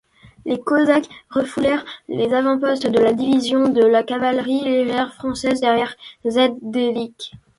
Les cosaques refoulèrent les avant-postes de la division de cavalerie légère française derrière Zeddenick.